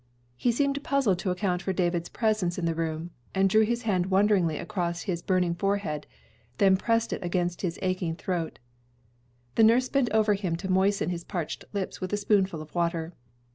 He seemed puzzled to account for David's presence in the room, and drew his hand wonderingly across his burning forehead, then pressed it against his aching throat. The nurse bent over him to moisten his parched lips with a spoonful of water.